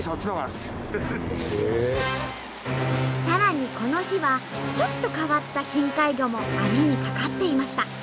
さらにこの日はちょっと変わった深海魚も網にかかっていました。